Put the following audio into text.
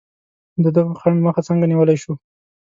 د دغه خنډ مخه څنګه نیولای شو؟